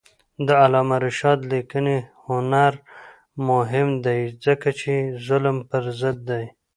د علامه رشاد لیکنی هنر مهم دی ځکه چې ظلم پر ضد دی.